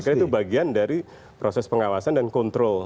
karena itu bagian dari proses pengawasan dan kontrol